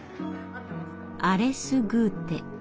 アレスグーテ。